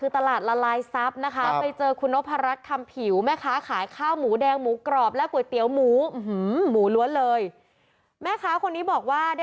ทำไรมันเพิ่มขึ้นหรือลดลงหรืออยู่เท่าเดิมนี้ค่ะ